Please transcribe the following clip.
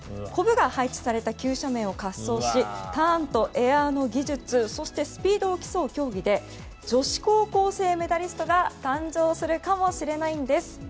コブが配置された急斜面を滑走しターンとエアの技術そして、スピードを競う競技で女子高校生メダリストが誕生するかもしれないんです。